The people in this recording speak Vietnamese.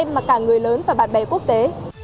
mà cả người lớn và bạn bè quốc tế